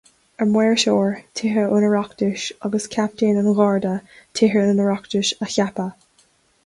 An Maoirseoir, Tithe an Oireachtais, agus Captaen an Gharda, Tithe an Oireachtais, a cheapadh.